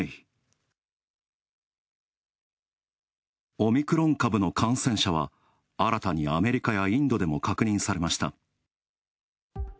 オミクロン株の感染者は、新たにアメリカやインドでも確認されました。